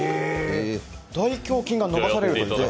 大胸筋が伸ばされるので。